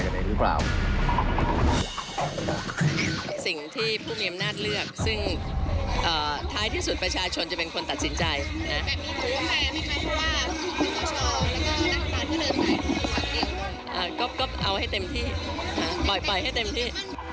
ก็เอาให้เต็มที่ปล่อยให้เต็มที่